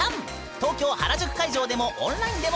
東京・原宿会場でもオンラインでも観覧できるぬん！